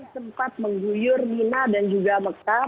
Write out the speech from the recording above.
sempat mengguyur mina dan juga mekah